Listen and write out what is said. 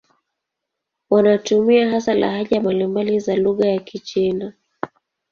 Wanatumia hasa lahaja mbalimbali za lugha ya Kichina.